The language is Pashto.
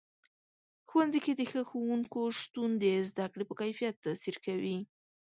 ښوونځي کې د ښه ښوونکو شتون د زده کړې په کیفیت تاثیر کوي.